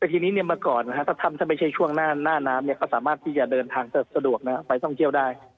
แต่ทีนี้เนี่ยมาก่อนนะครับถ้าถ้ำจะไม่ใช่ช่วงหน้าน้ำเนี่ยก็สามารถที่จะเดินทางสะดวกนะครับไปต้องเคี้ยวได้